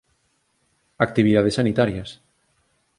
Actividades sanitarias